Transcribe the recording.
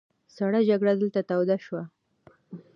سړه جګړه دلته توده شوه.